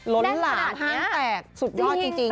ล้นหลามเสียงแตกสุดยอดจริง